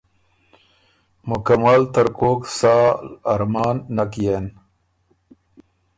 مکمل ترکوک سال ارمان نک يېن۔